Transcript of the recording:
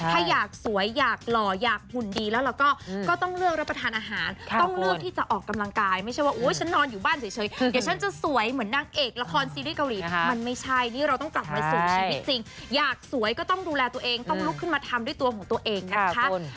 ถ้าอยากสวยอยากหล่ออยากหุ่นดีแล้วเราก็ต้องเลือกรับประทานอาหารต้องเลือกที่จะออกกำลังกายไม่ใช่ว่าฉันนอนอยู่บ้านเฉยเดี๋ยวฉันจะสวยเหมือนนางเอกละครซีรีส์เกาหลีมันไม่ใช่นี่เราต้องกลับมาสู่ชีวิตจริงอยากสวยก็ต้องดูแลตัวเองต้องลุกขึ้นมาทำด้วยตัวของตัวเองนะคะ